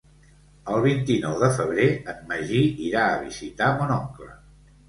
El vint-i-nou de febrer en Magí irà a visitar mon oncle.